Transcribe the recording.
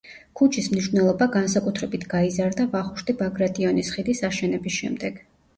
ქუჩის მნიშვნელობა განსაკუთრებით გაიზარდა ვახუშტი ბაგრატიონის ხიდის აშენების შემდეგ.